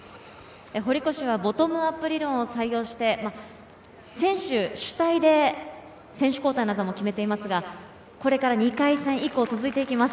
堀越はボトムアップ理論を採用して、選手主体で選手交代なども決めていますが、これから２回戦以降続いていきます。